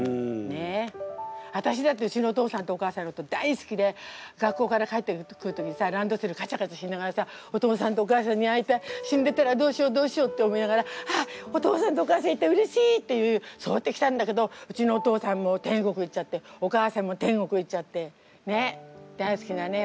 ねえわたしだってうちのお父さんとお母さんのこと大好きで学校から帰ってくる時にさランドセルカチャカチャしながらさお父さんとお母さんに会いたい死んでたらどうしようどうしようって思いながらああお父さんとお母さんいてうれしい！っていうそうやってきたんだけどうちのお父さんも天国行っちゃってお母さんも天国行っちゃってねっ大好きなね